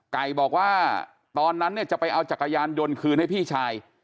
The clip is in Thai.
ไก่บอกว่าตอนนั้นเนี่ยจะไปเอาจักรยานยนต์คืนให้พี่ชาย